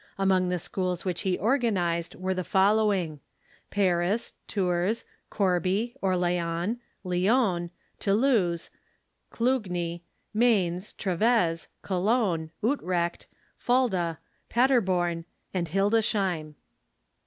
Among the schools which he organized are the following: Paris, Tours, Corbie, Orleans, Lyons, Toulouse, Clugny, Mainz, Treves, Cologne, Utrecht, Fulda, Paderborn, and Ilildesheim.